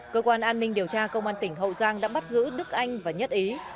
cơ quan an ninh điều tra công an tỉnh hậu giang đã bắt giữ đức anh và nhất ý